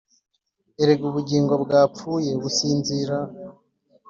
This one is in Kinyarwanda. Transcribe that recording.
erega ubugingo bwapfuye businzira,